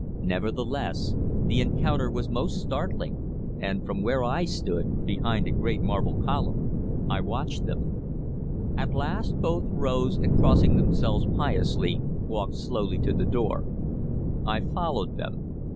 Nevertheless, the sudden encounter was most startling, and from where I stood behind a great marble column I watched them. At last both rose and crossing themselves piously, walked slowly to the door. I followed them.